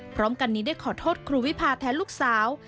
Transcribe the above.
พร้อมกันนี้ได้ขอโทษครูวิพาแทนลูกสาว